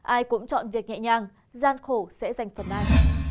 ai cũng chọn việc nhẹ nhàng gian khổ sẽ dành phần nào